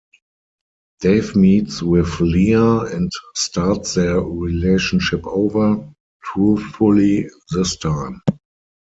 Dave meets with Leah and starts their relationship over, truthfully this time.